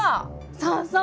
そうそう。